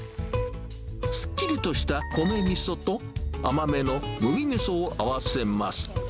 すっきりとした米みそと、甘めの麦みそを合わせます。